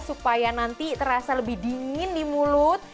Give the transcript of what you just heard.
supaya nanti terasa lebih dingin di mulut